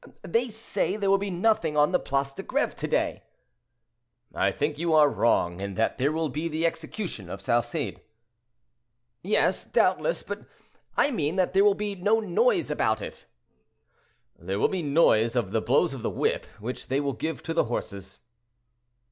"They say there will be nothing on the Place de Greve to day." "I think you are wrong, and that there will be the execution of Salcede." "Yes, doubtless: but I mean that there will be no noise about it." "There will be the noise of the blows of the whip, which they will give to the horses."